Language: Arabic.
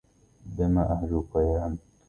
بما أهجوك يا أنت